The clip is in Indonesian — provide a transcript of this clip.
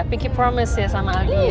pinky promise ya sama aldi ya